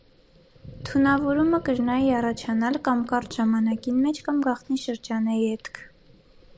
Թունաւորումը կրնայ յառաջանալ կամ կարճ ժամանակին մէջ կամ գաղտնի շրջանէ ետք։